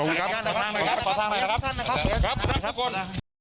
รับครับทุกคน